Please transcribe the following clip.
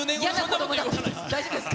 大丈夫ですか？